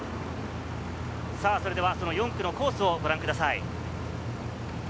それでは、その４区のコースをご覧ください。